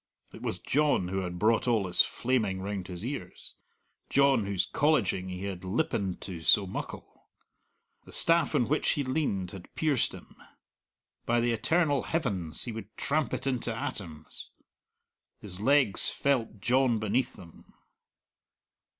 It was John who had brought all this flaming round his ears John whose colleging he had lippened to so muckle. The staff on which he leaned had pierced him. By the eternal heavens he would tramp it into atoms. His legs felt John beneath them.